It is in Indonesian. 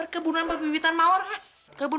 kamu sih yang perlu bertahan